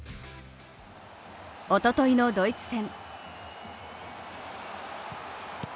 おとといのドイツ戦。